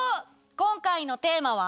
今回のテーマは。